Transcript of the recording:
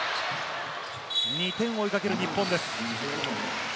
２点を追いかける日本です。